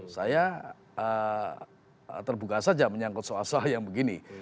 saya terbuka saja menyangkut soal soal yang begini